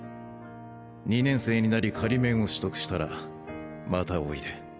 ２年生になり仮免を取得したらまたおいで。